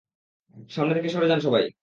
সামনে থেকে সরে যান সবাই!